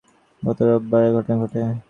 গত রোববার এ ঘটনা ঘটে।